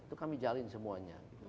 itu kami jalin semuanya